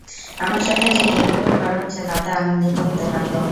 আমার সাথে যে দুর্ব্যবহার করা হচ্ছে তাতে আনন্দিত হতে লাগল।